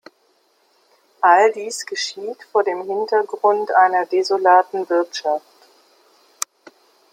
All dies geschieht vor dem Hintergrund einer desolaten Wirtschaft.